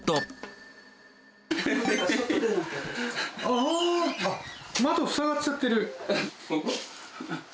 あっ、窓、塞がっちゃってる。